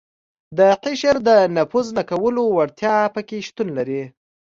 د قشر د نفوذ نه کولو وړتیا په کې شتون لري.